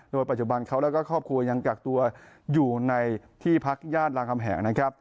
โดยปัจจุบันเขาแล้วก็ครอบครัวยังกักตัวอยู่ในที่พักญาติรามคำแหงนะครับ